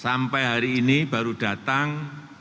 sampai hari ini baru datang empat ratus